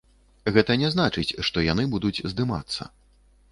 Гэта не значыць, што яны будуць здымацца.